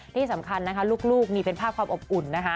ที่สำคัญลูกมีเป็นภาพความอบอุ่น